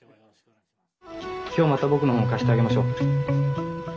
今日また僕の本貸してあげましょう。